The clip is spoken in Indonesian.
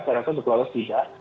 saya rasa untuk lolos tidak